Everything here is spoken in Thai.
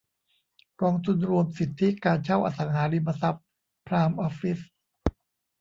กองทุนรวมสิทธิการเช่าอสังหาริมทรัพย์ไพร์มออฟฟิศ